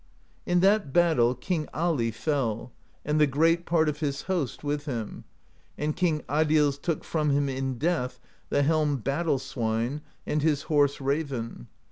In that battle King Ali fell, and the great part of his host with him; and King Adils took from him in death the helm Battle Swine and his horse Raven.